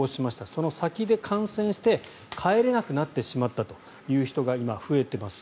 その先で感染して帰れなくなってしまったという人が今、増えています。